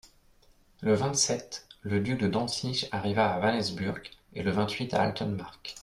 Le vingt-sept, le duc de Dantzick arriva à Wanesburk et le vingt-huit à Altenmarck.